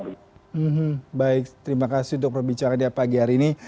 baik terima kasih untuk perbicaraan pagi hari ini